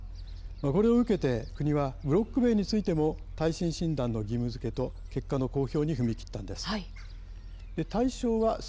これを受けて国はブロック塀についても耐震診断の義務づけと結果の公表に踏み切ったんです。